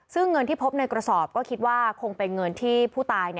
ซึ่งเงินที่พบในกระสอบก็คิดว่าคงเป็นเงินที่ผู้ตาย